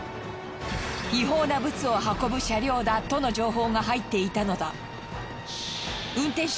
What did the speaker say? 違法なブツを運ぶ車両だとの情報が入っていたのだ。